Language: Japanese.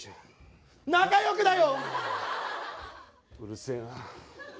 うるせえな。